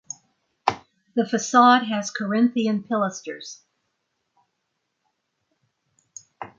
The facade has corinthian pilasters.